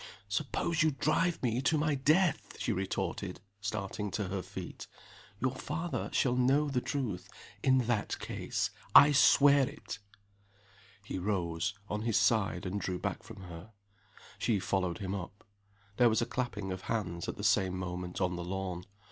"Suppose you drive me to my death?" she retorted, starting to her feet. "Your father shall know the truth, in that case I swear it!" He rose, on his side, and drew back from her. She followed him up. There was a clapping of hands, at the same moment, on the lawn.